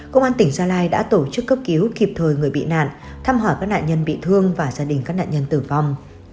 công an tỉnh gia lai đã tổ chức cấp cứu kịp thời người bị nạn thăm hỏi các nạn nhân bị thương và gia đình các nạn nhân tử vong